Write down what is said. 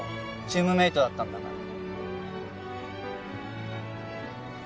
チームメートだったんだから。